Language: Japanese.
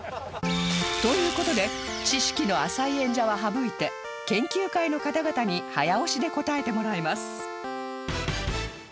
という事で知識の浅い演者は省いて研究会の方々に早押しで答えてもらいます